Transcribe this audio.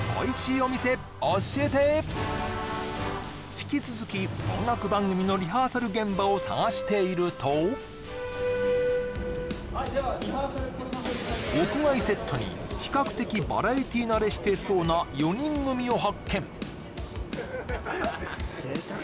引き続き音楽番組のリハーサル現場を探しているとはいじゃあリハーサル屋外セットに比較的バラエティ慣れしてそうな４人組を発見